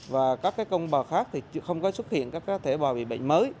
và các công bào khác thì không có xuất hiện các cá thể bò bị bệnh